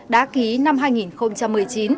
đã ký năm hai nghìn một mươi chín